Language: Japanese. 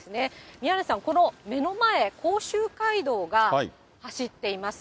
宮根さん、この目の前、甲州街道が走っています。